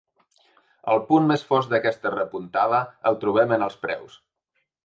El punt més fosc d’aquesta repuntada el trobem en els preus.